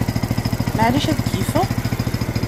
Maɛlic ad keyyfeɣ?